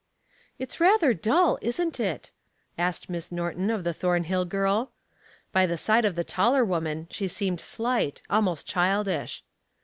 "It's rather dull, isn't it?" asked Miss Norton of the Thornhill girl. By the side of the taller woman she seemed slight, almost childish.